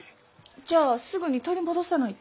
じゃあすぐに取り戻さないと。